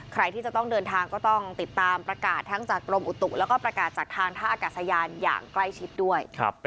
ใครที่จะต้องเดินทางก็ต้องติดตามประกาศทั้งจากกรมอุตุแล้วก็ประกาศจากทางท่าอากาศยานอย่างใกล้ชิดด้วย